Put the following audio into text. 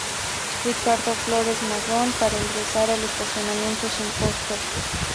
Ricardo Flores Magón, para ingresar al estacionamiento sin costo.